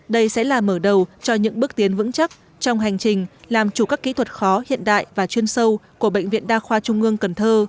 đây sẽ là mở đầu cho những bước tiến vững chắc trong hành trình làm chủ các kỹ thuật khó hiện đại và chuyên sâu của bệnh viện đa khoa trung ương cần thơ